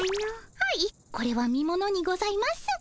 はいこれは見ものにございます。